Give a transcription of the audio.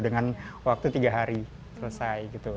dengan waktu tiga hari selesai gitu